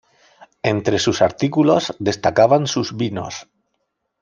Entre sus artículos destacaban sus vinos.